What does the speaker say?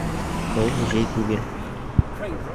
Был музей түгел.